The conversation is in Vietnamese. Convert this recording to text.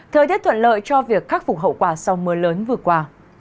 thời tiết thuận lợi cho việc khắc phục hậu quả sau mưa lớn vừa qua